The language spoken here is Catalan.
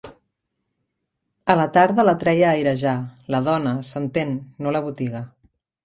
A la tarda la treia a airejar, la dona, s'entén, no la botiga